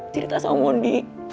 cerita sama mondi